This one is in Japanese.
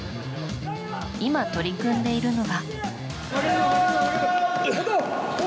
今、取り組んでいるのが。